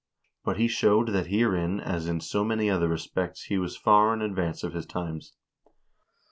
But he showed that herein as in so many other respects he was far in advance of his times."